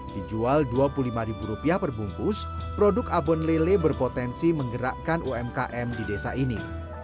dijual rp dua puluh lima perbungkus produk abon lele berpotensi menggerakkan umkm di desa ini